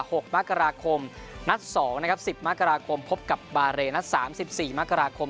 หกมกราคมนัดสองนะครับสิบมกราคมพบกับบาเรนัดสามสิบสี่มกราคม